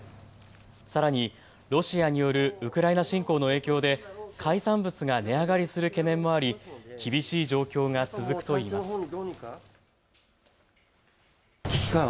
さらにロシアによるウクライナ侵攻の影響で海産物が値上がりする懸念もあり厳しい状況が続くといいます。